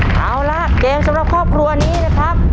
เอาล่ะเกมสำหรับครอบครัวนี้นะครับ